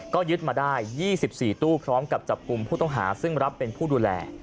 ก็ยึดมาได้๒๔ตู้พร้อมกับจับกลุ่มผู้ต้องหาซึ่งรับเป็นผู้ดูแล